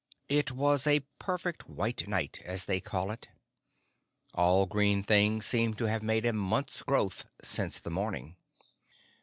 It was a perfect white night, as they call it. All green things seemed to have made a month's growth since the morning.